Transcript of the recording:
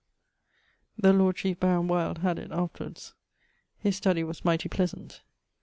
The Lord Chiefe Baron Wyld had it afterwards. His study was mighty pleasant.